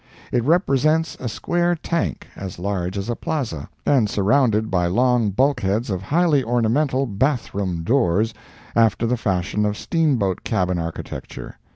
It represents a square tank as large as a plaza, and surrounded by long bulkheads of highly ornamental bath room doors, after the fashion of steamboat cabin architecture.